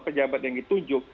kejabat yang ditunjuk